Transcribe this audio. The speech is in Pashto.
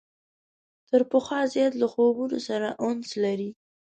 تر پخوا زیات له خوبونو سره انس لري.